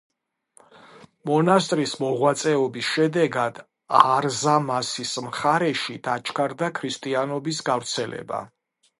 მონასტრის მოღვაწეობის შედეგად არზამასის მხარეში დაჩქარდა ქრისტიანობის გავრცელება.